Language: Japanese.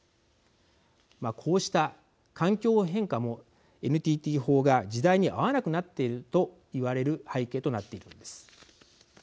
こうした環境変化もＮＴＴ法が時代に合わなくなっているといわれる背景となっているのです。